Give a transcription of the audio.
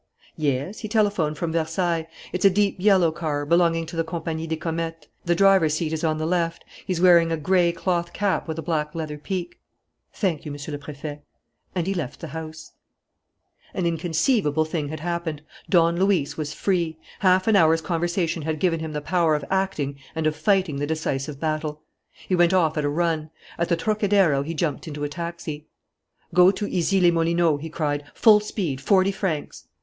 "Yes, he telephoned from Versailles. It's a deep yellow car, belonging to the Compagnie des Comètes. The driver's seat is on the left. He's wearing a gray cloth cap with a black leather peak." "Thank you, Monsieur le Préfet." And he left the house. An inconceivable thing had happened. Don Luis was free. Half an hour's conversation had given him the power of acting and of fighting the decisive battle. He went off at a run. At the Trocadéro he jumped into a taxi. "Go to Issy les Moulineaux!" he cried. "Full speed! Forty francs!"